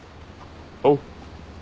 おう。